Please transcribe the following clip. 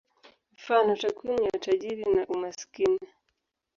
Mfano: takwimu ya utajiri na umaskini.